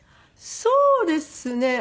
そうですね。